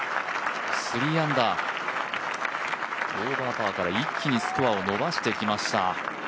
３アンダー、オーバーパーから一気にスコアを伸ばしてきました。